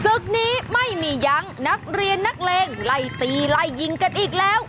ศึกนี้ไม่มียั้งนักเรียนนักเลงไล่ตีไล่ยิงกันอีกแล้ว